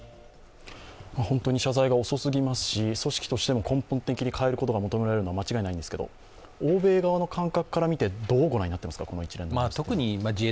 本当に謝罪が遅すぎますし組織としても根本的に変えることが求められるのは間違いないんですが、欧米側の感覚から見てどう見ていますか？